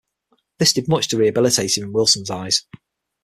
This did much to rehabilitate him in Wilson's eyes.